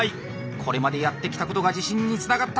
これまでやってきたことが自信につながったか！